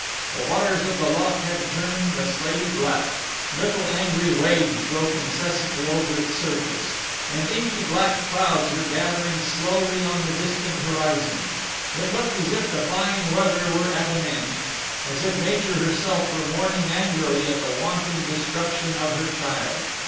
The waters of the loch had turned a slaty black; little angry waves broke incessantly over its surface; and inky black clouds were gathering slowly on the distant horizon. It looked as if the fine weather were at an end; as if Nature herself were mourning angrily at the wanton destruction of her child.